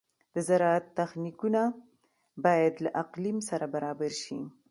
د زراعت تخنیکونه باید له اقلیم سره برابر شي.